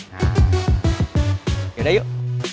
nah yaudah yuk